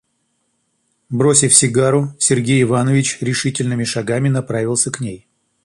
Бросив сигару, Сергей Иванович решительными шагами направился к ней.